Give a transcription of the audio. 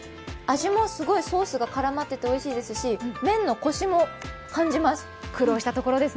味もすごいソースが絡まってておいしいですし麺のコシも感じます。